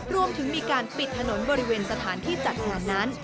รวมถึงมีการปิดถนนบริเวณสถานที่จัดงานนั้น